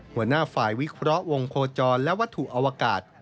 หัวหน้าฝ่ายวิเคราะห์วงโคจรและวัตถุอวกาศ